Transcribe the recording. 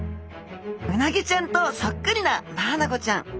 うなぎちゃんとそっくりなマアナゴちゃん。